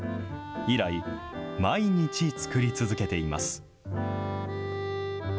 以来、毎日作り続けています。